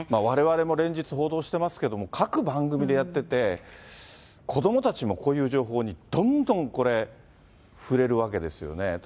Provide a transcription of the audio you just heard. われわれも連日、報道してますけども、各番組でやってて、子どもたちもこういう情報に、どんどん触れるわけですよね。